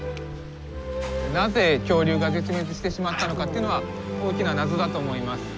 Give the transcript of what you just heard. なぜ恐竜が絶滅してしまったのかというのは大きな謎だと思います。